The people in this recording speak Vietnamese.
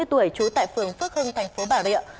ba mươi tuổi trú tại phường phước hưng thành phố bà rịa